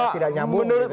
tidak nyambung gitu ya